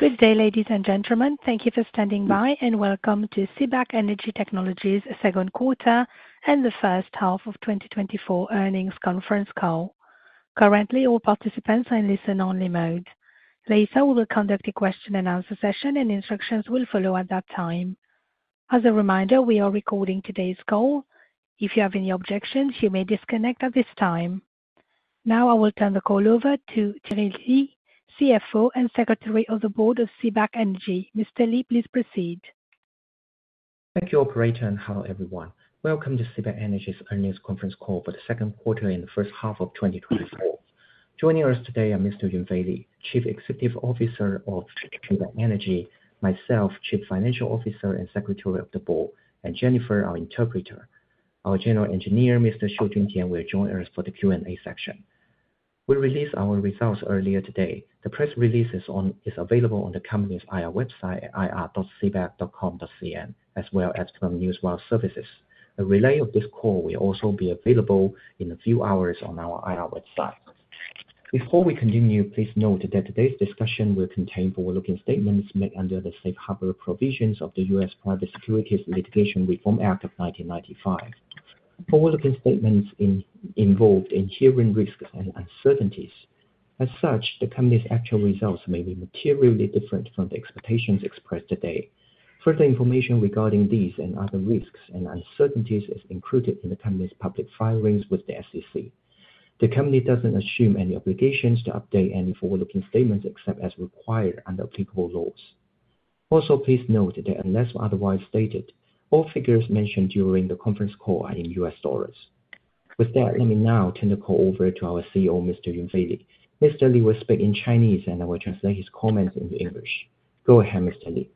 Good day, ladies and gentlemen. Thank you for standing by, and welcome to CBAK Energy Technology's second quarter and the first half of 2024 earnings conference call. Currently, all participants are in listen-only mode. Later, we will conduct a question and answer session, and instructions will follow at that time. As a reminder, we are recording today's call. If you have any objections, you may disconnect at this time. Now I will turn the call over to Terry Li, CFO and Secretary of the Board of CBAK Energy. Mr. Li, please proceed. Thank you, operator, and hello everyone. Welcome to CBAK Energy's earnings conference call for the second quarter and the first half of 2024. Joining us today are Mr. Yunfei Li, Chief Executive Officer of CBAK Energy; myself, Chief Financial Officer and Secretary of the Board; and Jennifer, our interpreter. Our general engineer, Mr. Xu Junjie, will join us for the Q&A section. We released our results earlier today. The press release is available on the company's IR website at ir.cbak.com.cn, as well as from Newswire Services. A relay of this call will also be available in a few hours on our IR website. Before we continue, please note that today's discussion will contain forward-looking statements made under the Safe Harbor Provisions of the U.S. Private Securities Litigation Reform Act of 1995. Forward-looking statements involved inherent risks and uncertainties. As such, the company's actual results may be materially different from the expectations expressed today. Further information regarding these and other risks and uncertainties is included in the company's public filings with the SEC. The company doesn't assume any obligations to update any forward-looking statements, except as required under applicable laws. Also, please note that unless otherwise stated, all figures mentioned during the conference call are in U.S. dollars. With that, let me now turn the call over to our CEO, Mr. Yunfei Li. Mr. Li will speak in Chinese, and I will translate his comments into English. Go ahead, Mr. Li.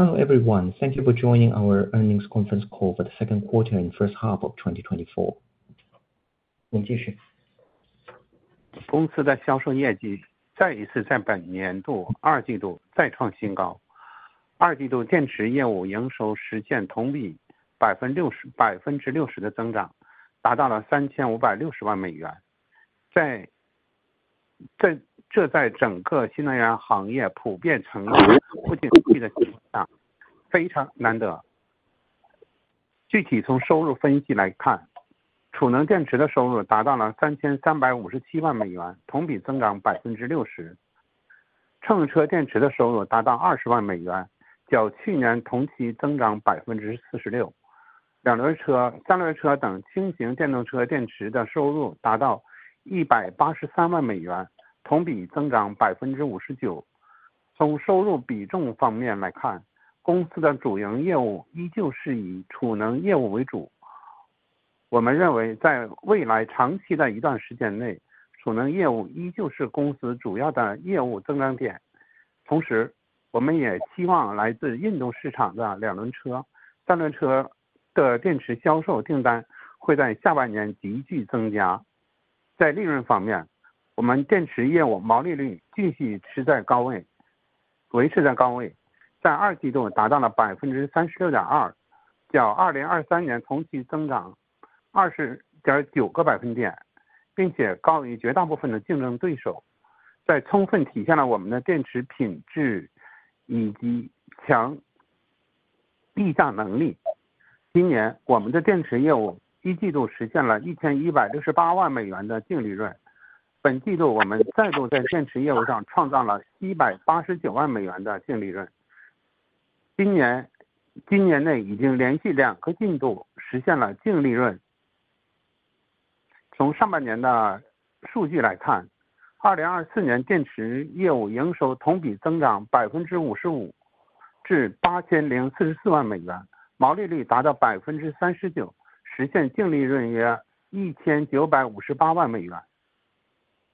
Hello, everyone. Thank you for joining our earnings conference call for the second quarter and first half of 2024.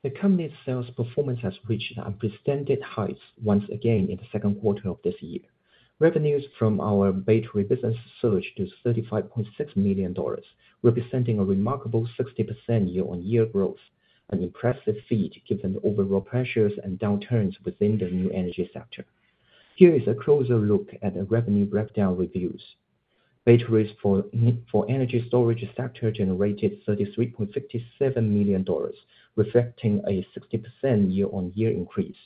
...The company's sales performance has reached unprecedented heights once again in the second quarter of this year. Revenues from our battery business surged to $35.6 million, representing a remarkable 60% year-on-year growth, an impressive feat given the overall pressures and downturns within the new energy sector. Here is a closer look at the revenue breakdown reviews. Batteries for energy storage sector generated $33.57 million, reflecting a 60% year-on-year increase.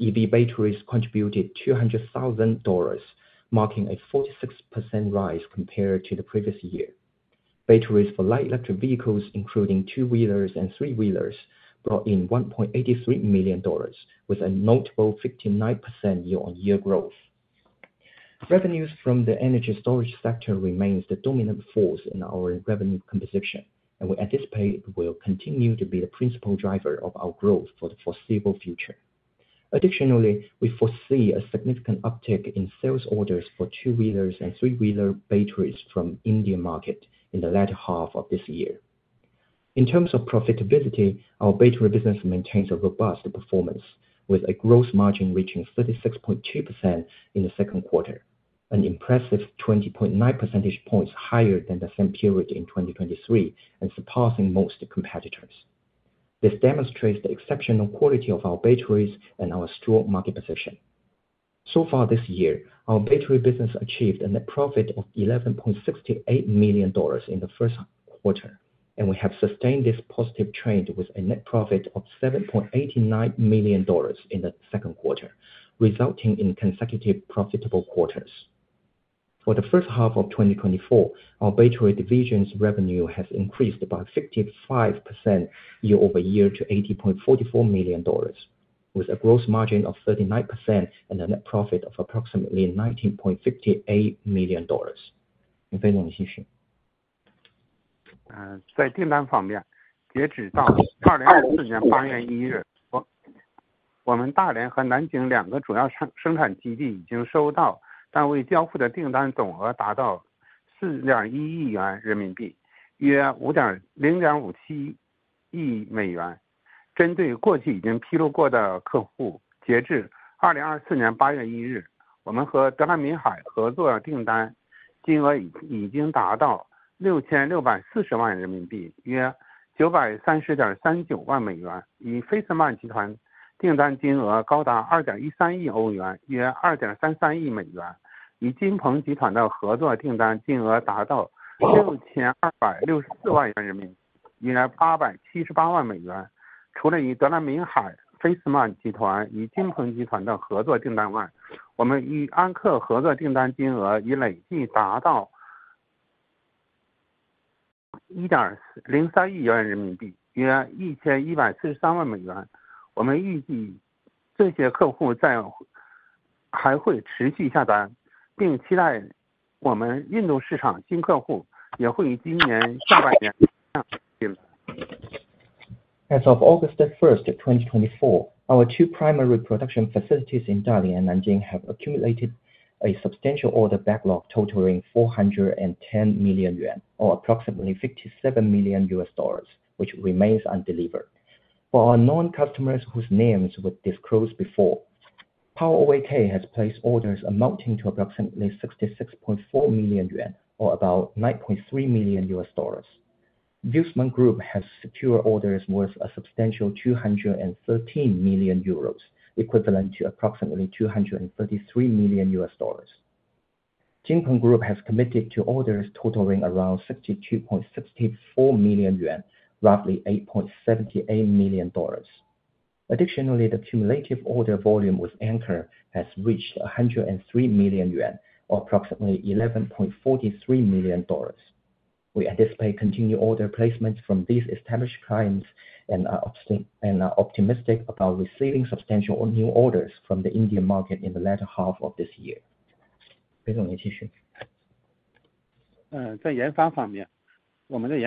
EV batteries contributed $200,000, marking a 46% rise compared to the previous year. Batteries for light electric vehicles, including two-wheelers and three-wheelers, brought in $1.83 million, with a notable 59% year-on-year growth. Revenues from the energy storage sector remains the dominant force in our revenue composition, and we anticipate will continue to be the principal driver of our growth for the foreseeable future. Additionally, we foresee a significant uptick in sales orders for two-wheelers and three-wheeler batteries from India market in the latter half of this year. In terms of profitability, our battery business maintains a robust performance, with a gross margin reaching 36.2% in the second quarter, an impressive 20.9 percentage points higher than the same period in 2023 and surpassing most competitors. This demonstrates the exceptional quality of our batteries and our strong market position. So far this year, our battery business achieved a net profit of $11.68 million in the first quarter, and we have sustained this positive trend with a net profit of $7.89 million in the second quarter, resulting in consecutive profitable quarters. For the first half of 2024, our battery division's revenue has increased about 55% year-over-year to $80.44 million, with a gross margin of 39% and a net profit of approximately $19.58 million. As of August 1, 2024, our two primary production facilities in Dalian and Nanjing have accumulated a substantial order backlog totaling 410 million yuan, or approximately $57 million, which remains undelivered. For our known customers whose names were disclosed before, PowerOak has placed orders amounting to approximately 66.4 million yuan, or about $9.3 million. Viessmann Group has secured orders worth a substantial 213 million euros, equivalent to approximately $233 million. Jinpeng Group has committed to orders totaling around 62.64 million yuan, roughly $8.78 million. Additionally, the cumulative order volume with Anker has reached 103 million yuan, or approximately $11.43 million. We anticipate continued order placements from these established clients and are optimistic about receiving substantial new orders from the Indian market in the latter half of this year. Mr.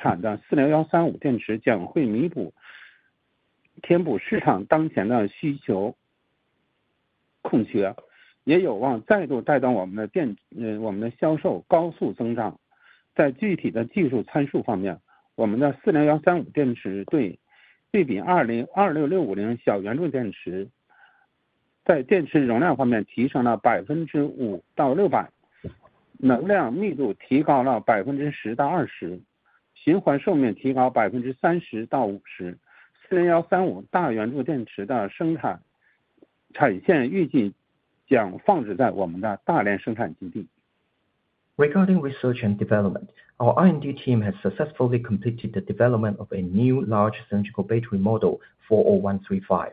Xu. Regarding research and development, our R&D team has successfully completed the development of a new large cylindrical battery Model 40135.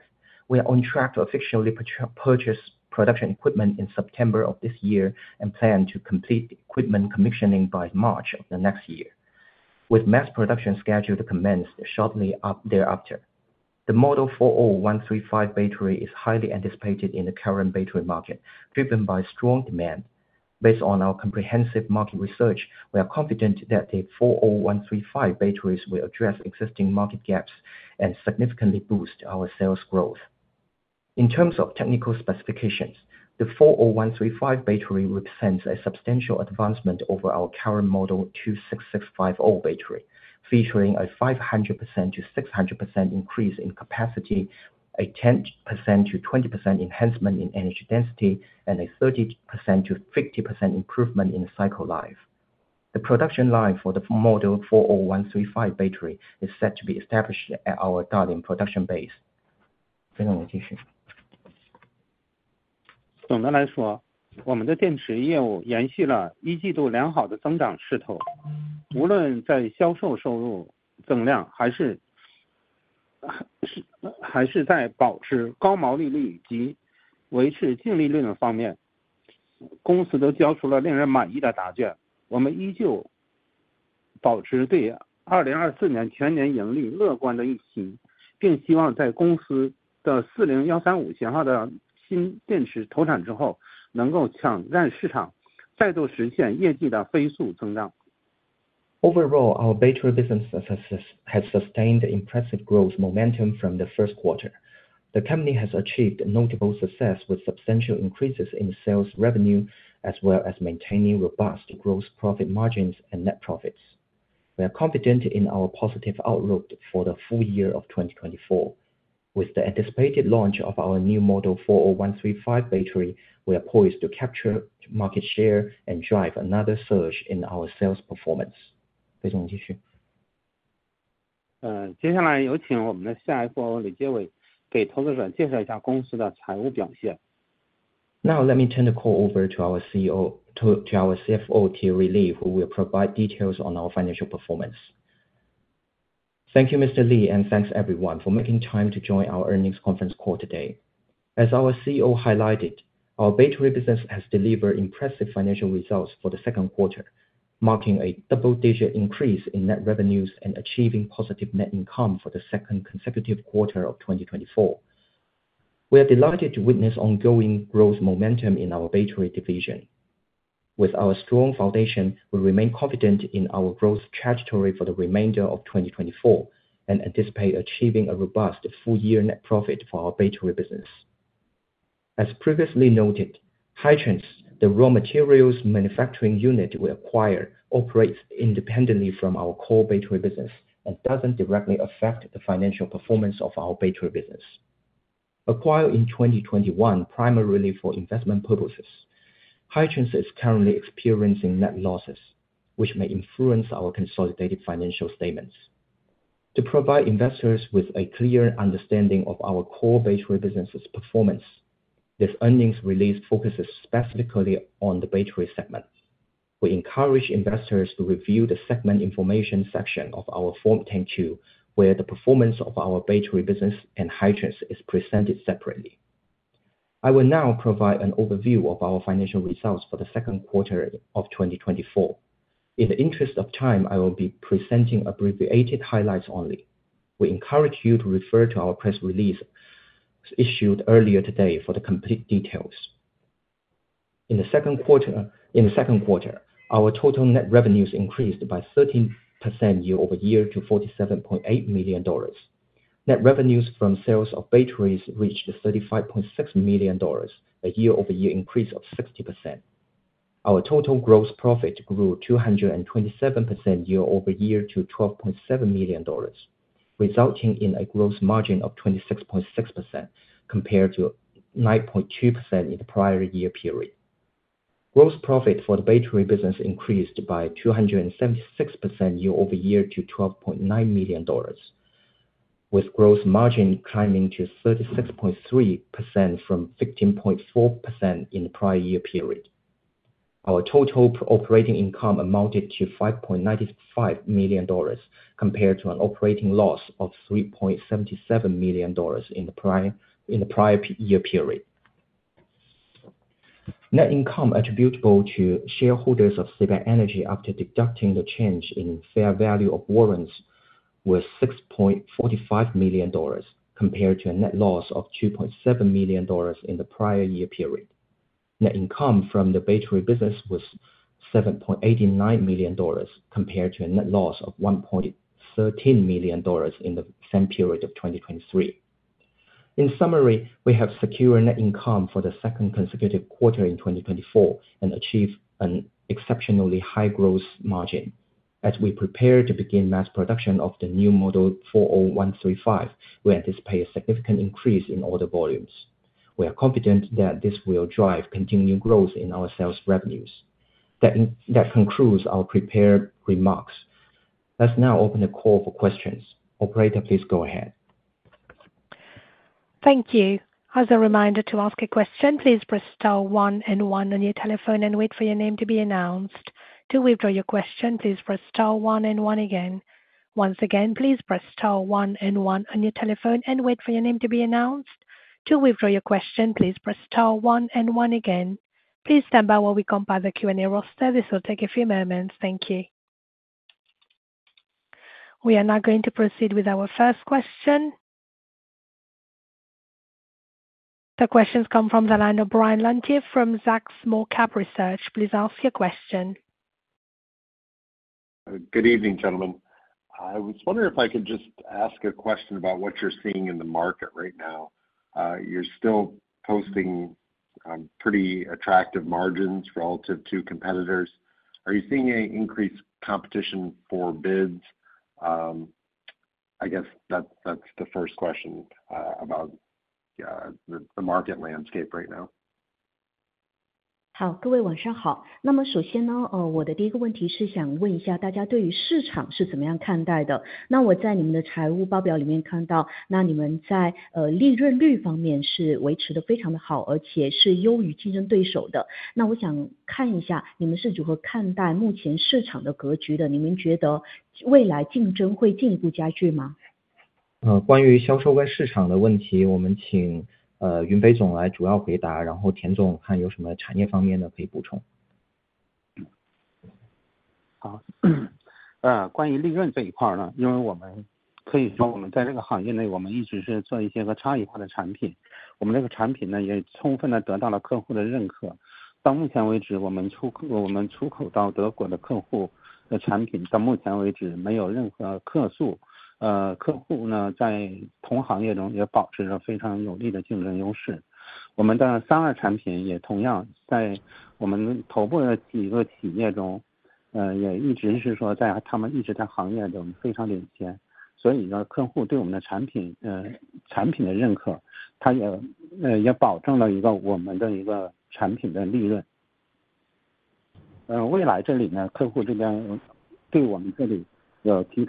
We are on track to officially purchase production equipment in September of this year and plan to complete the equipment commissioning by March of the next year, with mass production scheduled to commence shortly thereafter. The Model 40135 battery is highly anticipated in the current battery market, driven by strong demand. Based on our comprehensive market research, we are confident that the 40135 batteries will address existing market gaps and significantly boost our sales growth. In terms of technical specifications, the Model 40135 battery represents a substantial advancement over our current Model 26650 battery, featuring a 500%-600% increase in capacity, a 10%-20% enhancement in energy density, and a 30%-50% improvement in cycle life. The production line for the Model 40135 battery is set to be established at our Dalian production base. ...Overall, our battery business success has sustained impressive growth momentum from the first quarter. The company has achieved notable success with substantial increases in sales revenue, as well as maintaining robust gross profit margins and net profits. We are confident in our positive outlook for the full year of 2024. With the anticipated launch of our new Model 40135 battery, we are poised to capture market share and drive another surge in our sales performance. Now let me turn the call over to our CEO to our CFO, Terry Li, who will provide details on our financial performance. Thank you, Mr. Li, and thanks everyone for making time to join our earnings conference call today. As our CEO highlighted, our battery business has delivered impressive financial results for the second quarter, marking a double-digit increase in net revenues and achieving positive net income for the second consecutive quarter of 2024. We are delighted to witness ongoing growth momentum in our battery division. With our strong foundation, we remain confident in our growth trajectory for the remainder of 2024, and anticipate achieving a robust full year net profit for our battery business. As previously noted, Hitrans, the raw materials manufacturing unit we acquired, operates independently from our core battery business and doesn't directly affect the financial performance of our battery business. Acquired in 2021, primarily for investment purposes, Hitrians is currently experiencing net losses, which may influence our consolidated financial statements. To provide investors with a clear understanding of our core battery business's performance, this earnings release focuses specifically on the battery segment. We encourage investors to review the Segment Information section of our Form 10-Q, where the performance of our battery business and Haitian is presented separately. I will now provide an overview of our financial results for the second quarter of 2024. In the interest of time, I will be presenting abbreviated highlights only. We encourage you to refer to our press release issued earlier today for the complete details. In the second quarter, our total net revenues increased by 13% year-over-year to $47.8 million. Net revenues from sales of batteries reached $35.6 million, a year-over-year increase of 60%. Our total gross profit grew 227% year-over-year to $12.7 million, resulting in a gross margin of 26.6% compared to 9.2% in the prior year period. Gross profit for the battery business increased by 276% year-over-year to $12.9 million, with gross margin climbing to 36.3% from 15.4% in the prior year period. Our total operating income amounted to $5.95 million, compared to an operating loss of $3.77 million in the prior year period. Net income attributable to shareholders of CBAK Energy after deducting the change in fair value of warrants was $6.45 million, compared to a net loss of $2.7 million in the prior year period. Net income from the battery business was $7.89 million, compared to a net loss of $1.13 million in the same period of 2023. In summary, we have secured net income for the second consecutive quarter in 2024 and achieved an exceptionally high gross margin. As we prepare to begin mass production of the new Model 40135, we anticipate a significant increase in order volumes. We are confident that this will drive continued growth in our sales revenues. That concludes our prepared remarks. Let's now open the call for questions. Operator, please go ahead. Thank you. As a reminder, to ask a question, please press star one and one on your telephone and wait for your name to be announced. To withdraw your question, please press star one and one again. Once again, please press star one and one on your telephone and wait for your name to be announced. To withdraw your question, please press star one and one again. Please stand by while we compile the Q&A roster. This will take a few moments. Thank you. We are now going to proceed with our first question. The questions come from the line of Brian Lantier from Zacks Small Cap Research. Please ask your question. Good evening, gentlemen. I was wondering if I could just ask a question about what you're seeing in the market right now. You're still posting pretty attractive margins relative to competitors. Are you seeing any increased competition for bids? I guess that's the first question about the market landscape right now. OK,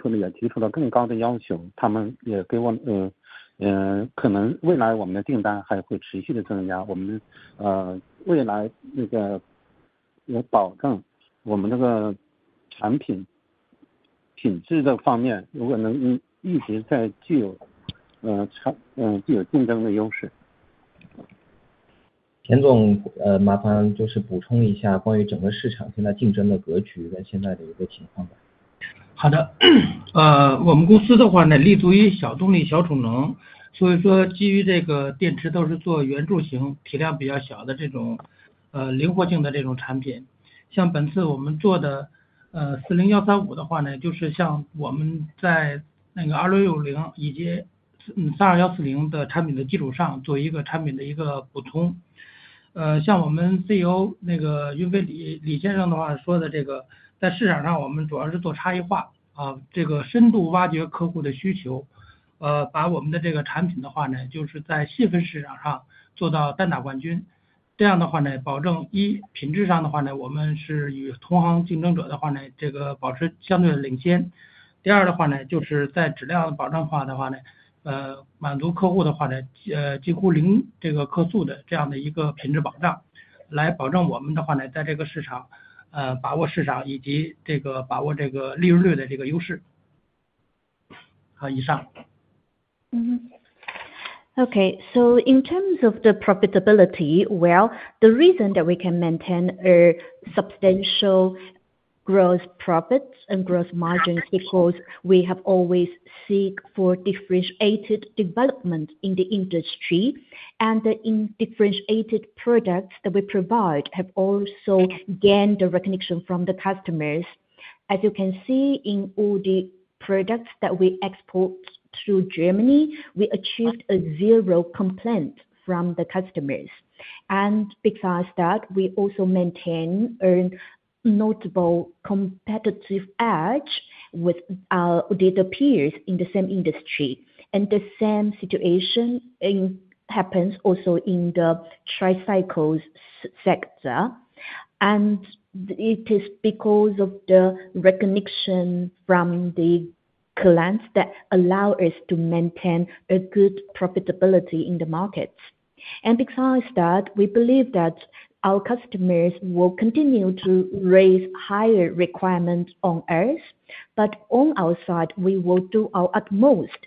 so in terms of the profitability, well, the reason that we can maintain a substantial gross profits and gross margins, because we have always seek for differentiated development in the industry, and in differentiated products that we provide have also gained the recognition from the customers. As you can see, in all the products that we export to Germany, we achieved a zero complaint from the customers. And because that, we also maintain a notable competitive edge with our data peers in the same industry. And the same situation in happens also in the tricycle sector. It is because of the recognition from the clients that allow us to maintain a good profitability in the market. And besides that, we believe that our customers will continue to raise higher requirements on us, but on our side, we will do our utmost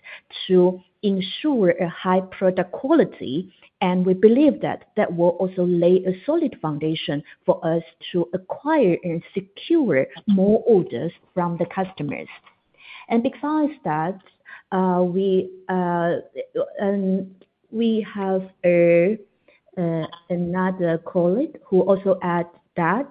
to ensure a high product quality, and we believe that that will also lay a solid foundation for us to acquire and secure more orders from the customers. And besides that, we have another colleague who also add that,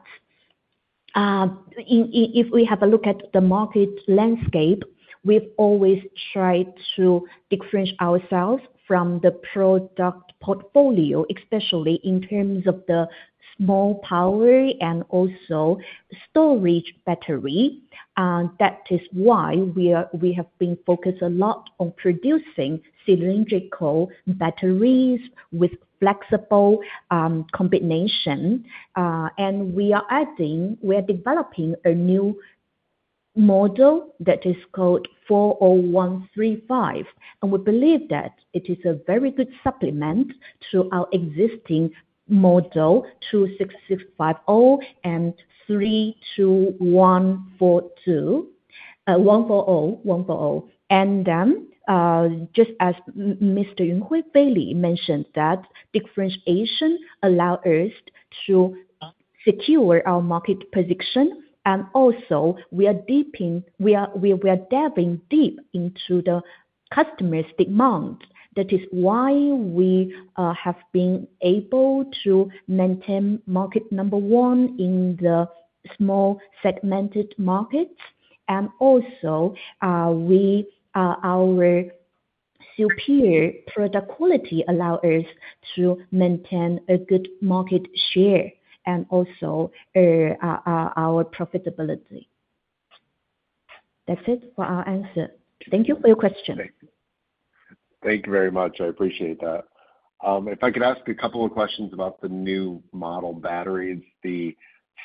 if we have a look at the market landscape, we've always tried to differentiate ourselves from the product portfolio, especially in terms of the small power and also storage battery. That is why we have been focused a lot on producing cylindrical batteries with flexible combination, and we are adding, we are developing a new model that is called 40135, and we believe that it is a very good supplement to our existing model, 26650 and 32140. And then, just as Mr. Bailey mentioned that differentiation allow us to secure our market position, and also we are deepening, we are diving deep into the customers' demand. That is why we have been able to maintain market number one in the small segmented markets, and also, we, our superior product quality allow us to maintain a good market share and also, our profitability. That's it for our answer. Thank you for your question. Thank you very much. I appreciate that. If I could ask a couple of questions about the new model batteries, the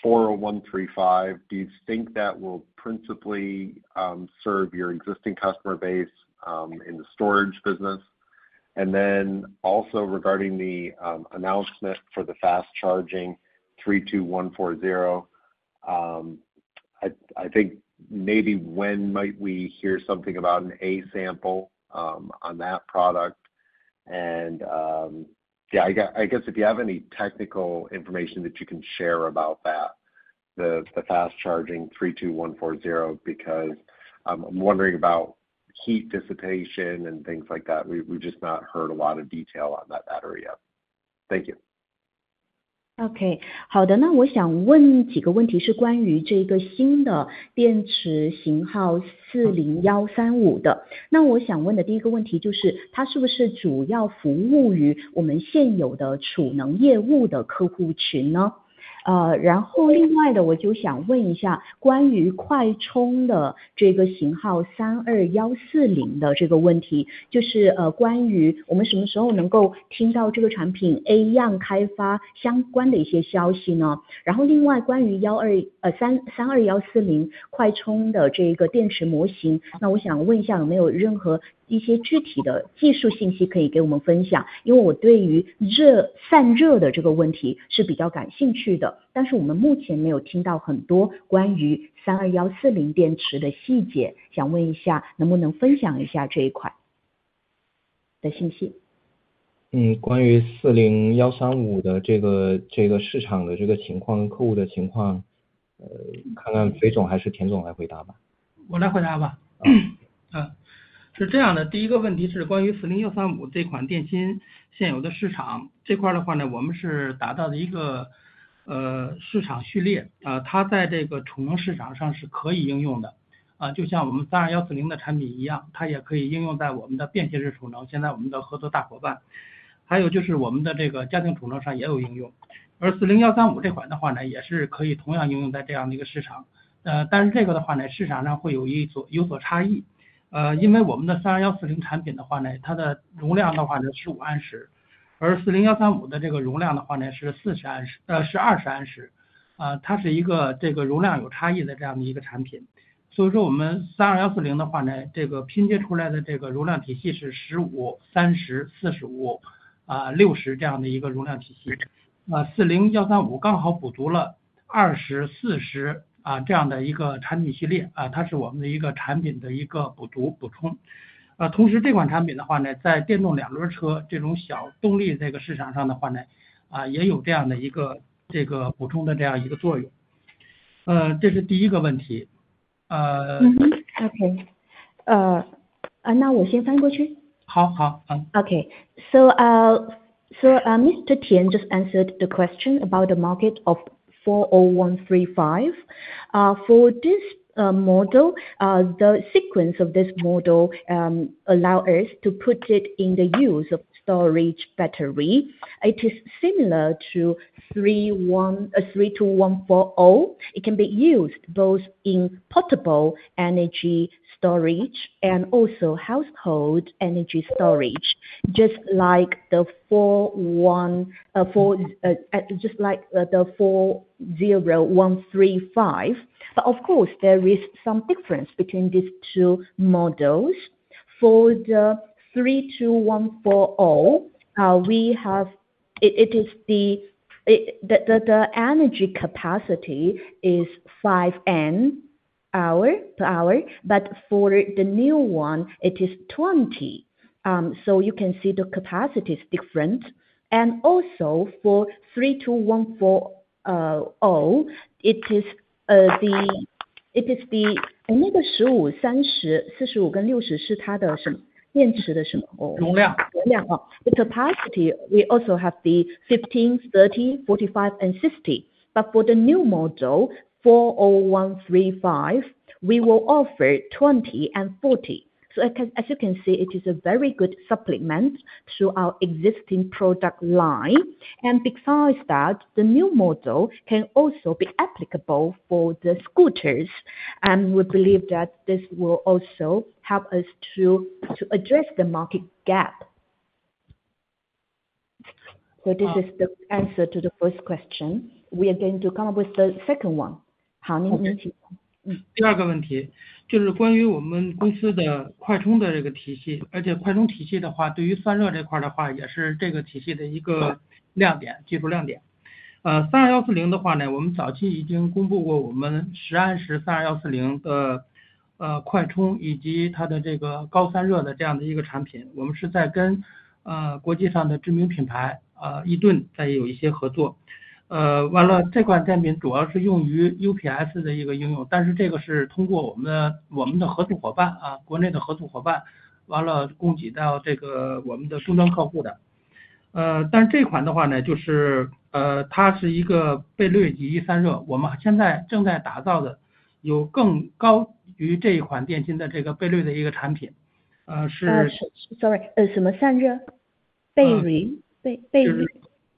40135, do you think that will principally serve your existing customer base in the storage business? And then also regarding the announcement for the fast charging 32140, I think maybe when might we hear something about an A-sample on that product? And yeah, I guess if you have any technical information that you can share about that, the fast charging 32140, because I'm wondering about heat dissipation and things like that. We just haven't heard a lot of detail on that battery yet. Thank you. OK, so, Mr. Tian just answered the question about the market of 40135, for this model, the sequence of this model, allow us to put it in the use of storage battery. It is similar to 32140, it can be used both in portable energy storage and also household energy storage, just like 40135. But of course there is some difference between these two models. For the 32140, we have, it, it is the, it, the, the, the, the energy capacity is 5 Ah, but for the new one, it is 20. So you can see the capacity is different. And also for 32140, it is the, it is the The capacity we also have the 15, 30, 45 and 60, but for the new model four O one three five, we will offer 20 and 40. So as, as you can see, it is a very good supplement to our existing product line. And besides that, the new model can also be applicable for the scooters, and we believe that this will also help us to, to address the market gap. So this is the answer to the first question. We are going to come up with the second one Okay.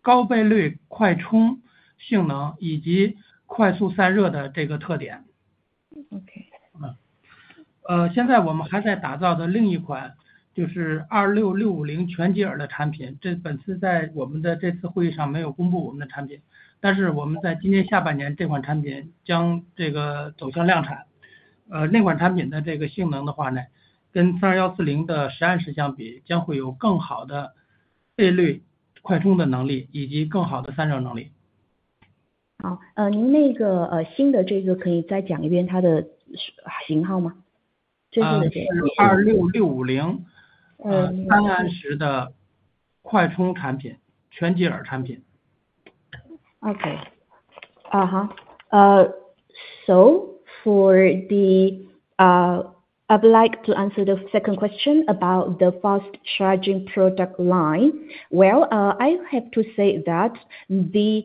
So I'd like to answer the second question about the fast charging product line. Well, I have to say that the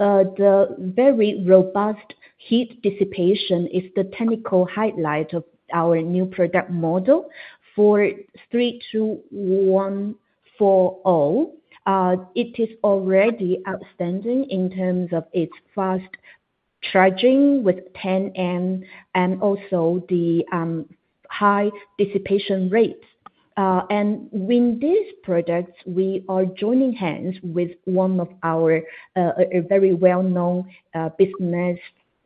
very robust heat dissipation is the technical highlight of our new product model 32140. It is already outstanding in terms of its fast charging with 10 amp, and also the high dissipation rates. And with these products, we are joining hands with one of our a very well-known business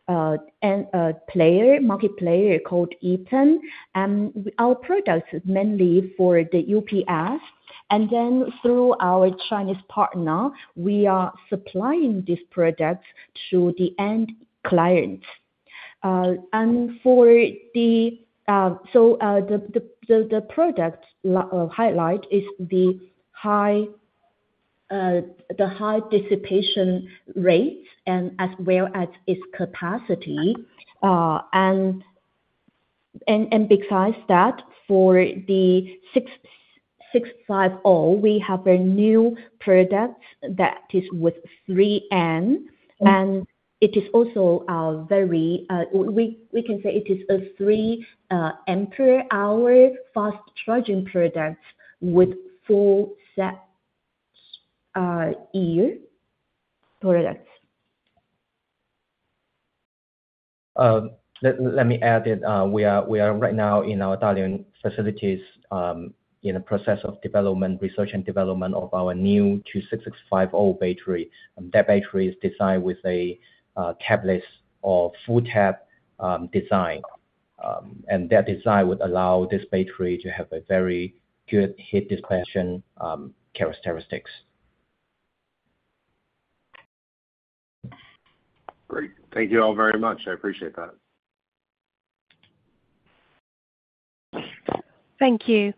and player, market player called Eaton. Our product is mainly for the UPS, and then through our Chinese partner, we are supplying these products to the end clients. And so the product highlight is the high dissipation rates as well as its capacity. And besides that, for the 6650, we have a new product that is with 3N, and it is also very, we can say it is a 3 ampere hour fast charging product with full-tab products. Let me add that we are right now in our Dalian facilities in the process of development, research and development of our new 26650 battery. That battery is designed with a tabless or full-tab design. That design would allow this battery to have a very good heat dissipation characteristics. Great. Thank you all very much. I appreciate that. Thank you.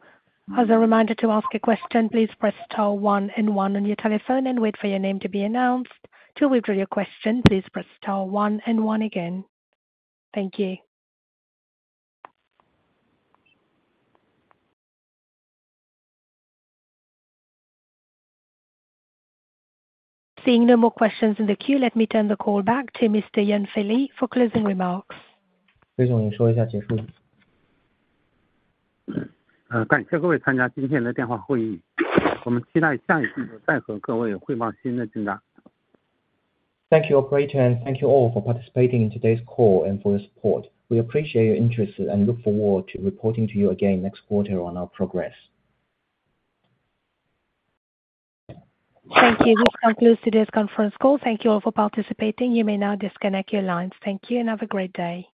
As a reminder to ask a question, please press star one and one on your telephone and wait for your name to be announced. To withdraw your question, please press star one and one again. Thank you. Seeing no more questions in the queue, let me turn the call back to Mr. Yunfei Li for closing remarks. Thank you, operator, and thank you all for participating in today's call and for your support. We appreciate your interest and look forward to reporting to you again next quarter on our progress. Thank you. This concludes today's conference call. Thank you all for participating. You may now disconnect your lines. Thank you, and have a great day.